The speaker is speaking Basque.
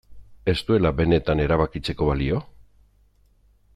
Ez duela benetan erabakitzeko balio?